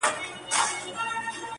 په زحمت چي پکښي اخلمه ګامونه -